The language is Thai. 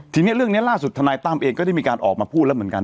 ทีนี้เรื่องนี้ล่าสุดธนายตั้มเองก็ได้มีการออกมาพูดแล้วเหมือนกัน